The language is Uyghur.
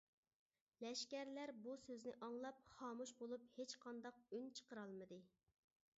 لەشكەرلەر بۇ سۆزنى ئاڭلاپ خامۇش بولۇپ ھېچقانداق ئۈن چىقىرالمىدى.